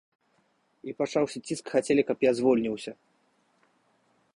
І пачаўся ціск, хацелі, каб я звольніўся.